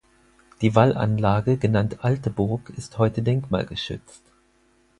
Die Wallanlage, genannt Alteburg, ist heute denkmalgeschützt.